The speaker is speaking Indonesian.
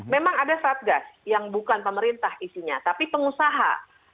memang ada satgas yang bukan pemerintah isinya tapi pengusaha